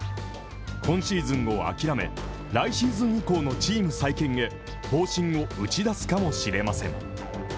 今シーズンを諦め、来シーズン以降のチーム再建へ方針を打ち出すかもしれません。